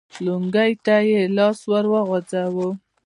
لونګۍ ته يې لاس ور وغځاوه.